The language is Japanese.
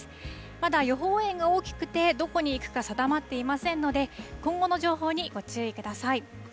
まだ予報円が大きくて、どこに行くか定まっていませんので、今後の情報にご注意ください。